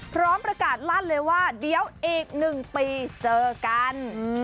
พร้อมประกาศลั่นเลยว่าเดี๋ยวอีก๑ปีเจอกัน